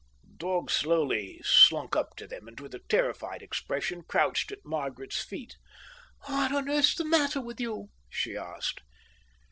The dog slowly slunk up to them, and with a terrified expression crouched at Margaret's feet. "What on earth's the matter with you?" she asked.